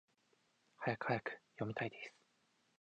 はやくはやく！読みたいです！